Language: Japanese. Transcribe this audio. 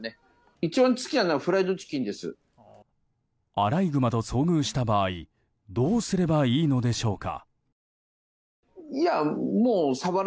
アライグマと遭遇した場合どうすればいいのでしょうか。